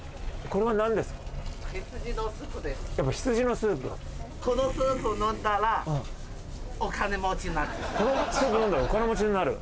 このスープ飲んだらお金持ちになる？